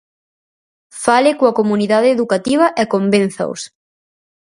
Fale coa comunidade educativa e convénzaos.